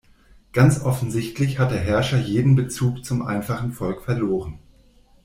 Ganz offensichtlich hat der Herrscher jeden Bezug zum einfachen Volk verloren.